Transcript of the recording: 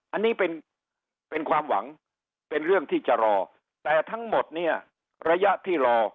อันนี้เป็นความหวังเป็นเรื่องที่จะรอแต่ทั้งหมดเนี่ยระยะที่รอ